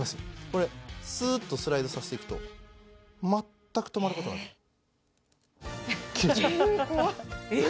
これスーッとスライドさせていくと全く止まることなく切れちゃいますえ